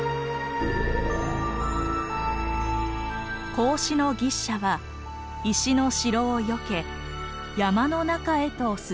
孔子の牛車は石の城をよけ山の中へと進んでいきます。